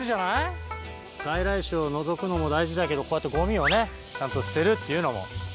外来種を除くのも大事だけどこうやってゴミをねちゃんと捨てるっていうのも。